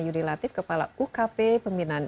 yudi latif kepala ukp pembinaan